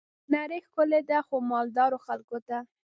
نړۍ ښکلي ده خو، مالدارو خلګو ته.